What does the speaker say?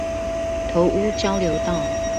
頭屋交流道